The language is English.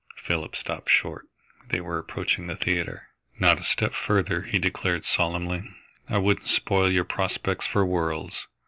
Philip stopped short. They were approaching the theatre. "Not a step further," he declared solemnly. "I wouldn't spoil your prospects for worlds.